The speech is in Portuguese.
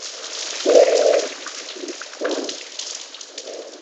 extinção